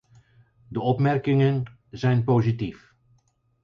De opmerkingen zijn positief.